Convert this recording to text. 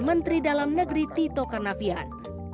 menteri dalam negeri tito karnavian